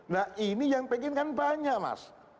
nah ini yang pengen kan banyak mas